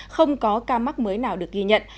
không có ca mắc mới nào được ghi nhận